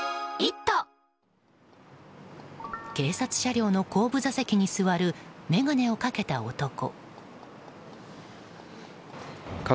警察車両の後部座席に座る眼鏡をかけた男。